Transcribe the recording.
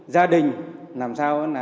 gia đình làm sao